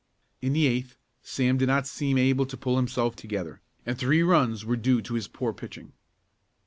In the eighth Sam did not seem able to pull himself together and three runs were due to his poor pitching.